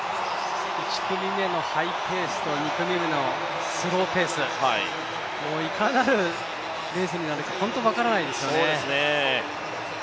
１組目のハイペースと２組目のスローペース、いかなるレースになるか分からないですね。